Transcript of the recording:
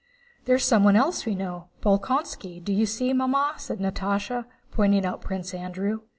"There's someone else we know—Bolkónski, do you see, Mamma?" said Natásha, pointing out Prince Andrew.